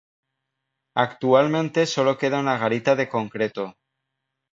Actualmente solo queda una garita de concreto.